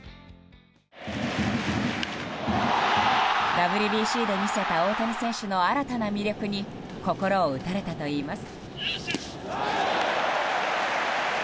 ＷＢＣで見せた大谷選手の新たな魅力に心を打たれたといいます。